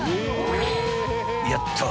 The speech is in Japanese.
やったー！